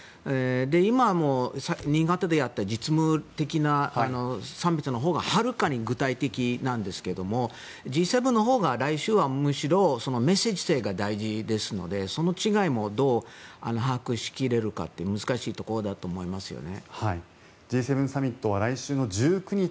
今、苦手であった実務的な産物のほうがはるかに具体的なんですけどＧ７のほうが来週はむしろメッセージ性が大事ですのでその違いもどう把握し切れるかというのが難しいところだと思いますね。